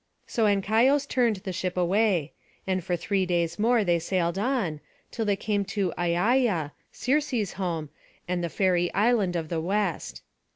So Ancaios turned the ship away; and for three days more they sailed on, till they came to Aiaia, Circe's home, and the fairy island of the West.